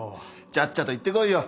ちゃっちゃと行ってこいよ。